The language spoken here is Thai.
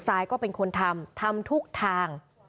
ซายก็เป็นคนทำทำทุกทาง